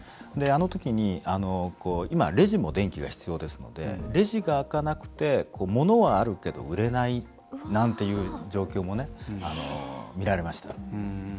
あのときに、今、レジも電気が必要ですのでレジが開かなくてものはあるけど売れないなんていう状況もみられました。